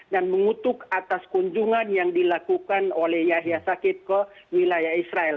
dan mengutuk atas kunjungan yang dilakukan oleh yahya saki ke wilayah israel